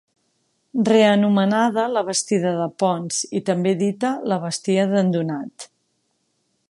Reanomenada la bastida de Ponts i també dita la bastia d'en Donat.